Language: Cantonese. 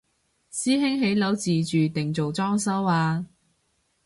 師兄起樓自住定做裝修啊？